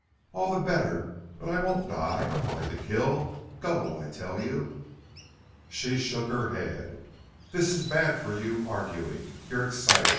"All the better. But I won't die. I'm hard to kill. Go, I tell you." She shook her head. "This is bad for you arguing. You're excited.